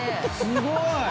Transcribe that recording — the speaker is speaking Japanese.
すごい！